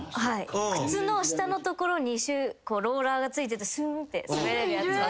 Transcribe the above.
靴の下のところにローラーがついててシューンって滑れるやつ。